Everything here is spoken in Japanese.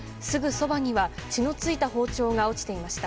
そばには血の付いた包丁が落ちていました。